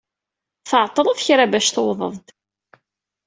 Tɛeṭṭleḍ kra bac tewwḍeḍ-d.